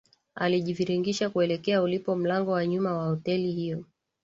Alijiviringisha kuelekea ulipo mlango wa nyuma wa hoteli hiyo